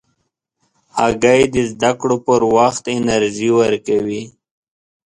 هګۍ د زده کړو پر وخت انرژي ورکوي.